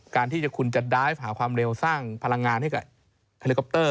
การที่คุณจะไดฟหาความเร็วสร้างพลังงานให้กับเฮลิคอปเตอร์